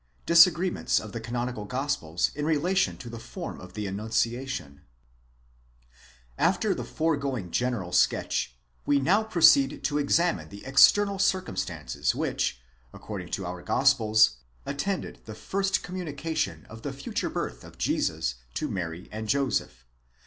DISAGREEMENTS OF THE CANONICAL GOSPELS IN RELATION TO THE FORM OF THE ANNUNCIATION, After the foregoing general sketch, we now proceed to examine the ex ternal circumstances which, according to our Gospels, attended the first com munication of the future birth of Jesus to Mary and Joseph.